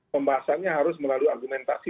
pembahasannya harus melalui argumentasi